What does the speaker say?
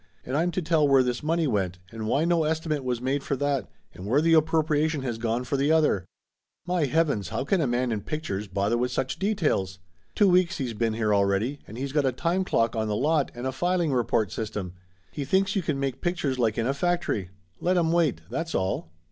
And I'm to tell where this money went, and why no estimate was made for that, and where the appropriation has gone for the other ! My heavens, how can a man in pictures bother with such details? Two weeks he's been here already, and he's got a time clock on the lot and a filing report system! He thinks you can make pic tures like in a factory! Let him wait, that's all!"